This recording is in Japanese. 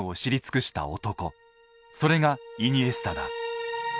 それがイニエスタだ。